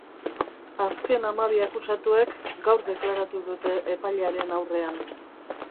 Azken hamabi akusatuek gaur deklaratu dute epailearen aurrean.